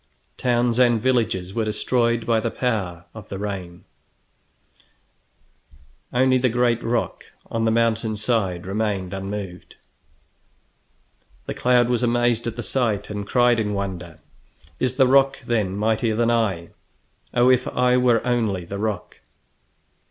Towns and villages were destroyed by the power of the rain, only the great rock on the mountain side remained unmoved. The cloud was amazed at the sight, and cried in wonder: "Is the rock, then, mightier than I? Oh, if I were only the rock!"